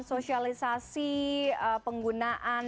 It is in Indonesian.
sosialisasi penggunaan dan perusahaan